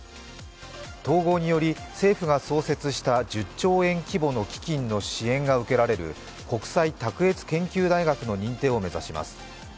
統合により政府が創設した１０兆円規模の支援が受けられる国際卓越研究大学の認定を目指します。